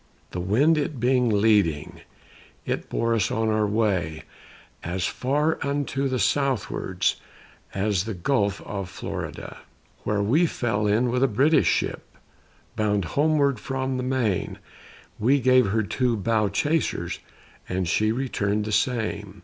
The wind it being leading, It bore us on our way, As far unto the southward As the Gulf of Florida; Where we fell in with a British ship, Bound homeward from the main; We gave her two bow chasers, And she returned the same.